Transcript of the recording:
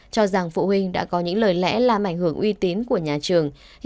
cho rằng phụ huynh đã có những lời lẽ làm ảnh hưởng uy tín của nhà trường